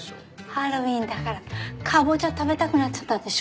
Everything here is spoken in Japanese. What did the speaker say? ハロウィーンだからカボチャ食べたくなっちゃったんでしょ。